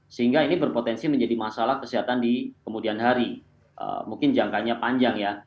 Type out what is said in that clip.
sehingga ini berpotensi menjadi masalah kesehatan di anak anak kita